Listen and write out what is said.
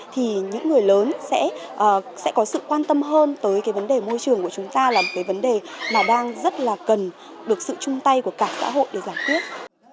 thì những người lớn sẽ có sự quan tâm hơn tới cái vấn đề môi trường của chúng ta là một cái vấn đề mà đang rất là cần được sự chung tay của cả xã hội để giải quyết